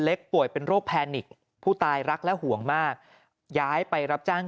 ป่วยเป็นโรคแพนิกผู้ตายรักและห่วงมากย้ายไปรับจ้าง